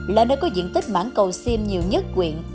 là nơi có diện tích mảng cầu xiêm nhiều nhất quyện